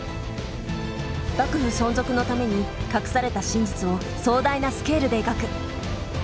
幕府存続のために隠された真実を壮大なスケールで描く。